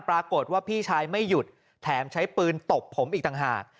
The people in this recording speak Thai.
ปรากฏว่าพี่ชายไม่หยุดแถมใช้ปืนตบผมอีกต่างหาก